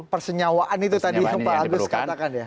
pesawat itu tadi pak agus katakan ya